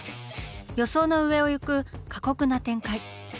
予想の上を行く過酷な展開。